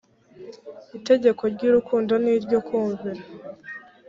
itegeko ry’urukundo n’iryo kumvira